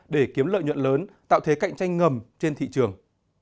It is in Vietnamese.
để kiếm lợi nhuận lớn tạo thế cạnh tranh ngầm trên thị trường